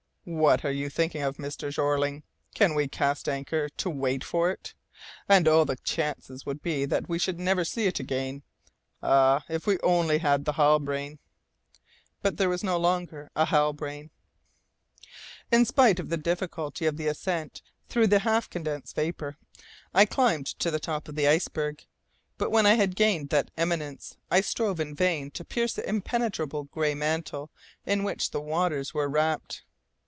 "What are you thinking of, Mr. Jeorling? Can we cast anchor to wait for it? And all the chances would be that we should never see it again. Ah! if we only had the Halbrane!" But there was no longer a Halbrane! In spite of the difficulty of the ascent through the half condensed vapour, I climbed up to the top of the iceberg, but when I had gained that eminence I strove in vain to pierce the impenetrable grey mantle in which the waters were wrapped.